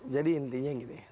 jadi intinya gini